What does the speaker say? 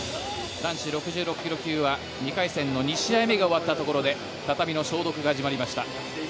男子６６ｋｇ級は２回戦の２試合目が終わったところで畳の消毒が始まりました。